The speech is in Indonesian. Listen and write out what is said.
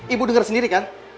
ibu denger sendiri kan